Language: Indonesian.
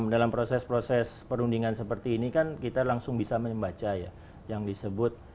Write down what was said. dalam proses proses perundingan seperti ini kan kita langsung bisa membaca ya yang disebut